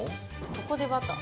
ここでバター。